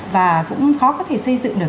và cũng khó có thể xây dựng được